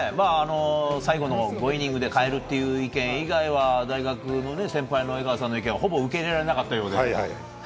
最後の５イニングで代えるって意見以外は大学の先輩の江川さんの意見はほぼ受け入れられなかったようですが。